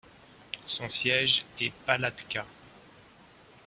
Son siège est Palatka.